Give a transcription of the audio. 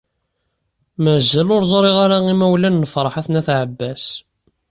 Mazal ur ẓṛiɣ ara imawlan n Ferḥat n At Ɛebbas.